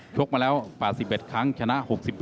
กมาแล้ว๘๑ครั้งชนะ๖๑